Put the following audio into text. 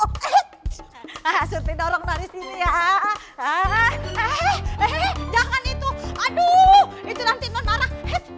hai eh eh ah suruh dorong dari sini ya ah ah ah eh jangan itu aduh itu nanti non marah